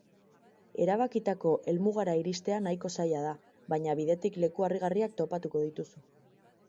Erabakitako helmugara iristea nahiko zaila da, baina bidetik leku harrigarriak topatuko dituzu.